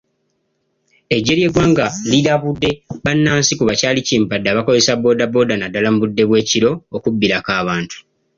Eggye ly'eggwanga lirabudde bannansi ku bakyalakimpadde abakozesa boodabooda naddala mu budde obw'ekiro okubbirako abantu.